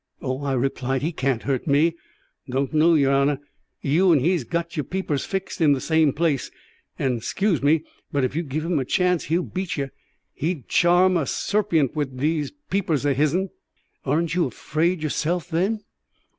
"Oh," I replied, "he can't hurt me." "Don't know, yer honour. You and he's got your peepers fixed in the same place, and scuse me; but if you give 'im a chance, he'll beat yer. He'd charm a serpiant vith thews peepers o' hisn." "Aren't you afraid yourself, then?"